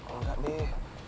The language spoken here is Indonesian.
oh nggak deh